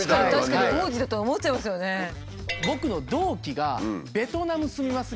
僕の同期がベトナム住みます